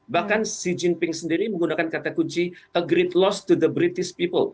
bahkan xi jinping sendiri menggunakan kata kunci agreed loss to the british people